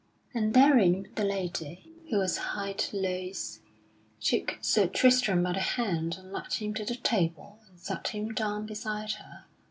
And therewith the lady, who was hight Loise, took Sir Tristram by the hand and led him to the table and sat him down beside her.